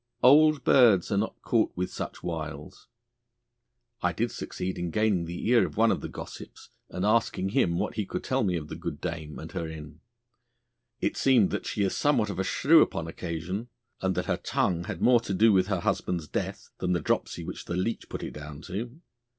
Old birds are not caught with such wiles. I did succeed in gaining the ear of one of the gossips, and asking him what he could tell me of the good dame and her inn. It seemeth that she is somewhat of a shrew upon occasion, and that her tongue had more to do with her husband's death than the dropsy which the leech put it down to.